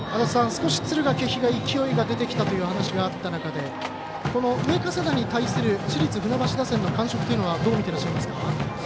少し敦賀気比が勢いが出てきたという話があった中で上加世田に対する市立船橋打線の感触はどう見てらっしゃいますか？